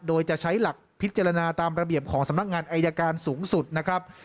โดยจะใช้หลักพิจารณาตามระเบียบของสำนักงานอายการสูงสุดนะครับ